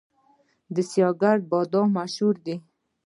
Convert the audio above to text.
د سیاه ګرد بادام مشهور دي